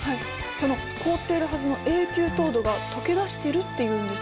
その凍っているはずの永久凍土が溶け出してるっていうんです。